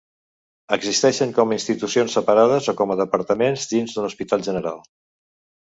Existeixen com a institucions separades o com a departaments dins d'un hospital general.